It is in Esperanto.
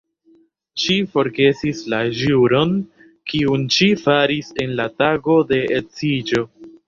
Ŝi forgesis la ĵuron, kiun ŝi faris en la tago de edziĝo!